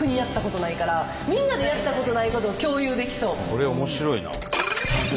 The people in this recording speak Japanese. これ面白いな。